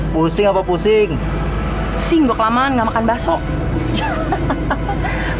pusing apa pusing pusing kelamaan nggak makan bakso